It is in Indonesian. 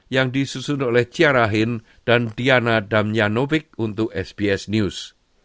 yang disusun oleh ciara hin dan diana damjanovic untuk sbs news